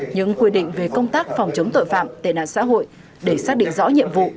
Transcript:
những quy định về công tác phòng chống tội phạm tệ nạn xã hội để xác định rõ nhiệm vụ